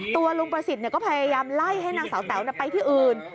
ตัวลุงประสิทธิ์ก็พยายามไล่ให้นางสาวแต๋วไปที่อื่น